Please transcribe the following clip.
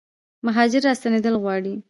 مهاجر راستنیدل غواړي